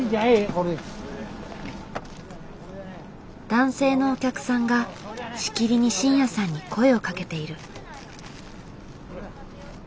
男性のお客さんがしきりに慎也さんに声をかけている。